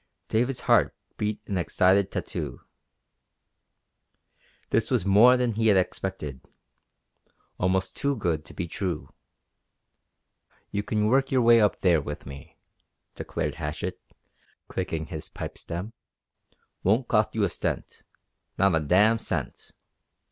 David's heart beat an excited tattoo. This was more than he had expected. Almost too good to be true. "You can work your way up there with me," declared Hatchett, clicking his pipe stem. "Won't cost you a cent. Not a dam' cent.